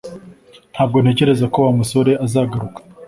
Ntabwo ntekereza ko Wa musore azagaruka